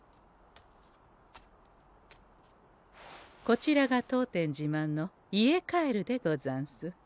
こちらが当店じまんの家カエルでござんす。